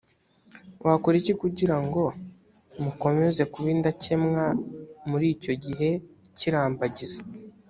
wakora iki kugira ngo mukomeze kuba indakemwa muri icyo gihe cy irambagiza